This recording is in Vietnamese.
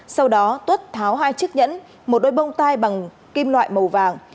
sau đó tuất tháo hai chiếc nhẫn một đôi bông tai bằng kim loại màu vàng